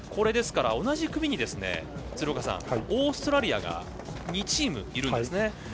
ですから、同じ組にオーストラリアが２チームいるんですね。